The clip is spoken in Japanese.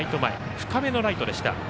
深めのライトでした。